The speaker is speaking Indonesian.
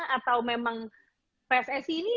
atau memang pssi ini